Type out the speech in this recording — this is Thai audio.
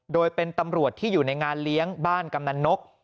โดยเป็นตำรวจที่อยู่ในงานเลี้ยงบ้านกำนันนก